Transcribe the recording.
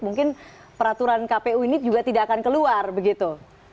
mungkin peraturan kpu ini juga tidak akan keluar begitu